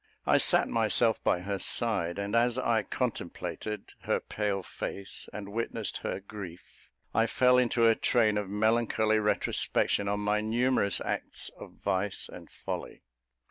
I sat myself by her side; and as I contemplated her pale face and witnessed her grief, I fell into a train of melancholy retrospection on my numerous acts of vice and folly.